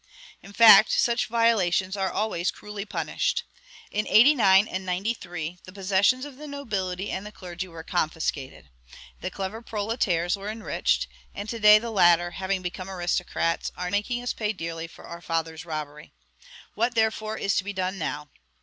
In fact, such violations are always cruelly punished. In '89 and '93, the possessions of the nobility and the clergy were confiscated, the clever proletaires were enriched; and to day the latter, having become aristocrats, are making us pay dearly for our fathers' robbery. What, therefore, is to be done now?